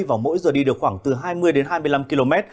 và mỗi giờ đi được khoảng từ hai mươi đến hai mươi năm km